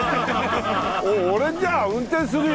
俺じゃあ運転するよ！